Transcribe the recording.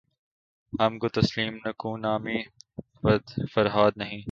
ہم کو تسلیم نکو نامیِ فرہاد نہیں